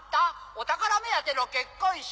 お宝目当ての結婚式。